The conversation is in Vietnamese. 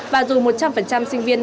và dù một trăm linh sinh viên